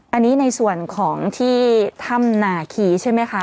อันนี้ในส่วนของที่ถ้ำนาคีใช่ไหมคะ